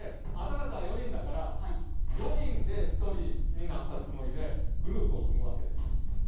あなたがたは４人だから４人で１人になったつもりでグループを組むわけです。